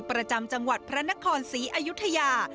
ประจำจังหวัดพระนครศรีอยุธยา